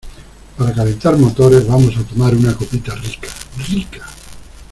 ¡ para calentar motores, vamos a tomar una copita rica , rica!